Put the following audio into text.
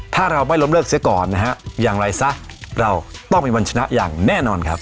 ถ้าเราไม่ล้มเลิกเสียก่อนนะฮะอย่างไรซะเราต้องเป็นวันชนะอย่างแน่นอนครับ